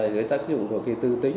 cái tác dụng của cái tư tính